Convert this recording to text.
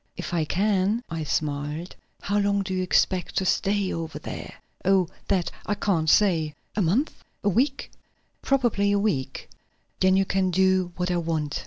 "If I can," I smiled. "How long do you expect to stay over there?" "Oh, that I can't say." "A month? a week?" "Probably a week." "Then you can do what I want.